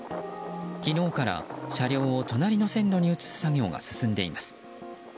昨日から車両を、隣りの線路に移す作業が進んでいます。